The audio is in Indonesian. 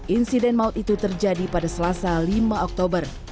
insiden maut itu terjadi pada selasa lima oktober